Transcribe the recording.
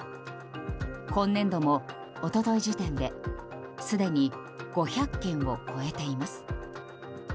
今年度も一昨日時点ですでに５００件を超えています。